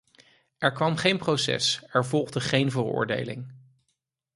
Er kwam geen proces, er volgde geen veroordeling.